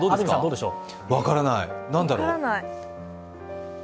分からない、何だろう？